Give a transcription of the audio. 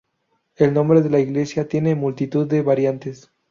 El nombre de la iglesia tiene multitud de variantes.